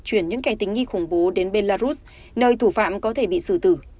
chuyển những kẻ tính nghi khủng bố đến belarus nơi thủ phạm có thể bị xử tử